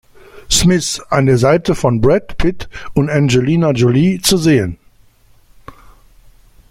Smith" an der Seite von Brad Pitt und Angelina Jolie zu sehen.